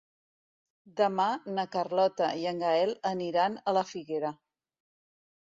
Demà na Carlota i en Gaël aniran a la Figuera.